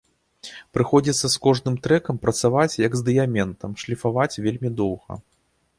Прыходзіцца з кожным трэкам працаваць, як з дыяментам, шліфаваць вельмі доўга.